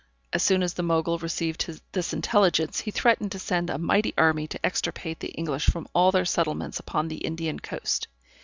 As soon as the Mogul received this intelligence, he threatened to send a mighty army to extirpate the English from all their settlements upon the Indian coast.